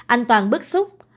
anh toàn bức xúc